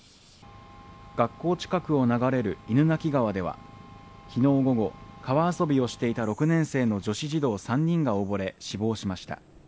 学校近くを流れる犬鳴川では、昨日午後、川遊びをしていた６年生の女子児童３人が溺れ、死亡しました。